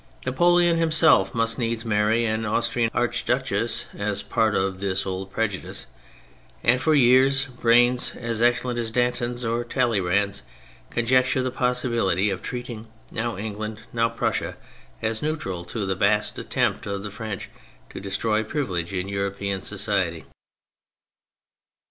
Napoleon himself must needs marry an Austrian archduchess as part of this old prejudice, and for years brains as excellent as Danton's or Talleyrand's conjecture the possi bility of treating now England, now Prussia, as neutral to the vast attempt of the French to destroy privilege in European society